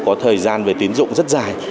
có thời gian về tiến dụng rất dài